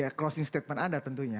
ya closing statement anda tentunya